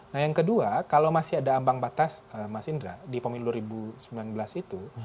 nah yang kedua kalau masih ada ambang batas mas indra di pemilu dua ribu sembilan belas itu